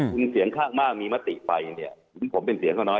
คุณเสียงข้างมากมีมติไปเนี่ยผมเป็นเสียงเขาน้อย